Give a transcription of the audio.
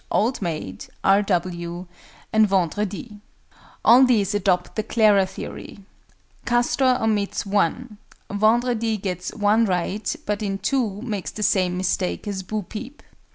OLD MAID, R. W., and VENDREDI. All these adopt the "Clara" theory. CASTOR omits (1). VENDREDI gets (1) right, but in (2) makes the same mistake as BO PEEP.